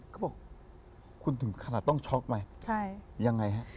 เขาบอกคุณถึงขนาดต้องช็อกไปยังไงฮะ